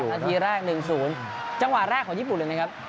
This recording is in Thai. นาทีแรก๑๐จังหวะแรกของญี่ปุ่นเลยนะครับ